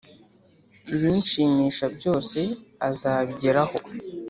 ibinshimisha byose, azabigeraho,